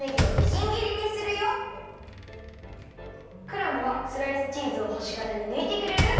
クラムはスライスチーズをほしがたにぬいてくれる？